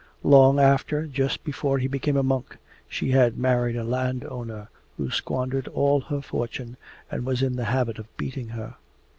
Long after, just before he became a monk, she had married a landowner who squandered all her fortune and was in the habit of beating her.